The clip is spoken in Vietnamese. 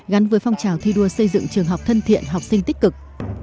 gắn với phong trào thi đua xây dựng trường học thân thiện học sinh tích cực